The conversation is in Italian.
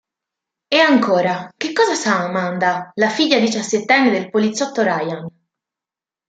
E ancora, che cosa sa Amanda, la figlia diciassettenne del poliziotto Ryan?